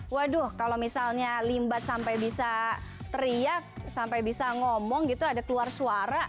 waduh kalau misalnya limbat sampai bisa teriak sampai bisa ngomong gitu ada keluar suara